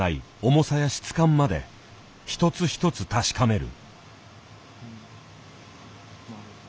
重さや質感まで一つ一つ確かめる。